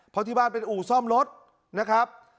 เพราะที่บ้านเป็นอู่ซ่อมรถนะครับ